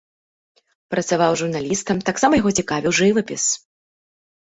Працаваў журналістам, таксама яго цікавіў жывапіс.